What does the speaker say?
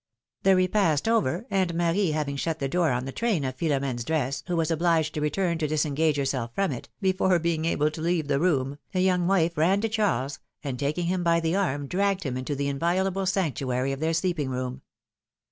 The repast over, and Marie having shut the door on the train of Philo mine's dress, who was obliged to return to disengage herself from it, before being able to leave the room, the young wife ran to Charles, and taking him by the arm dragged him into the inviolable sanctuary of their sleeping room.